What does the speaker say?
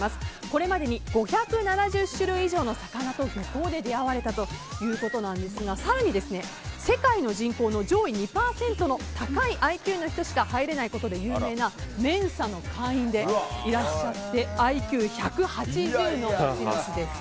これまでに５７０種類以上の魚と漁港で出会われたということですが更に、世界の人口の上位２％の高いＩＱの人しか入れないことで有名なメンサの会員でいらっしゃってＩＱ１８０の持ち主です。